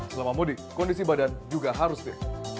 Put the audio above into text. selama mudik kondisi badan juga harus deh